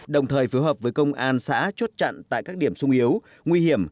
đồng thời phối hợp với công an xã chốt chặn tại các điểm sung yếu nguy hiểm